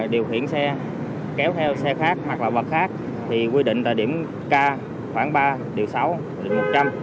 điều khiển xe kéo theo xe khác hoặc là vật khác thì quy định tại điểm k khoảng ba điều sáu điều một trăm linh